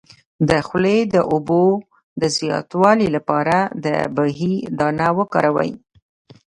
د خولې د اوبو د زیاتوالي لپاره د بهي دانه وکاروئ